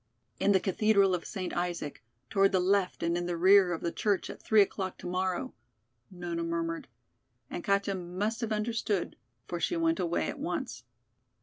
"In the Cathedral of St. Isaac, toward the left and in the rear of the church at three o'clock tomorrow," Nona murmured. And Katja must have understood, for she went away at once.